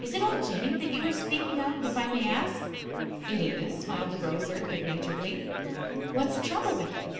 "Is it old Jinny that you are speaking of, if I may ask?" "It is," smiled the grocer, good naturedly. "What's the trouble with her?"